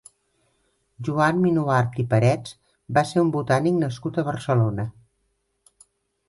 Joan Minuart i Parets va ser un botànic nascut a Barcelona.